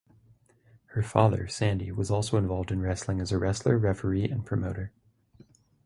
His father, Sandy, was also involved in wrestling as a wrestler, referee and promoter.